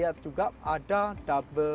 dan tentunya akan dilanjutkan sampai karawang